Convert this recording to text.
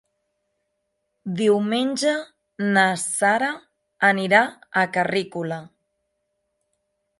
Diumenge na Sara anirà a Carrícola.